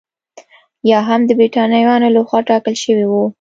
یا هم د برېټانویانو لخوا ټاکل شوي وو.